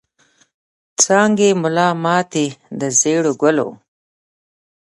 څانګي ملا ماتي د ژړو ګلو